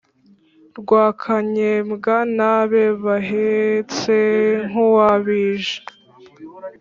Rwakanyembwa n’abe Bahetse nk’uwa Bija;